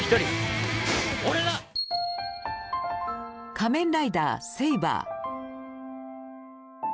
「仮面ライダーセイバー」。